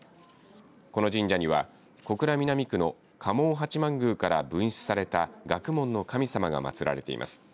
この神社には、小倉南区の蒲生八幡宮から分祀された学問の神様がまつられています。